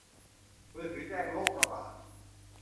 มือถือแจ้งโรคระบาด